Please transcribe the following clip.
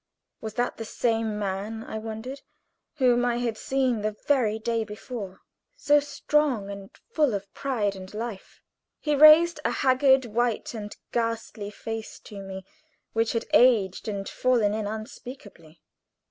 Was that the same man, I wondered, whom I had seen the very day before, so strong, and full of pride and life? He raised a haggard, white, and ghastly face to me, which had aged and fallen in unspeakably.